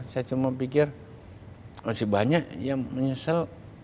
saya cuma pikir masih banyak yang menyesal